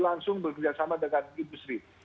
langsung bekerjasama dengan industri